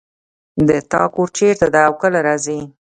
د تا کور چېرته ده او کله راځې